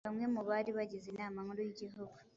bamwe mu bari bagize Inama Nkuru y'Igihugu,